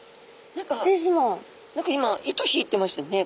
何か今糸引いてましたよね。